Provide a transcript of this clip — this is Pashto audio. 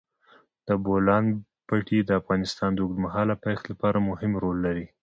د بولان پټي د افغانستان د اوږدمهاله پایښت لپاره مهم رول لري.